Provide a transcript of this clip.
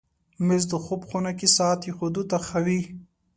مېز د خوب خونه کې ساعت ایښودو ته ښه وي.